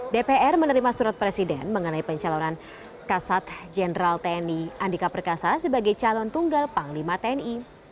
dpr menerima surat presiden mengenai pencalonan kasat jenderal tni andika perkasa sebagai calon tunggal panglima tni